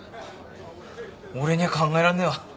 俺には考えらんねえわ。